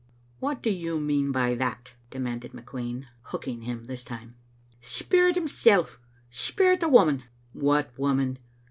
"What do you mean by that?" demanded McQueen, hooking him this time. " Speir at himsel' ; speir at the woman." "What woman?"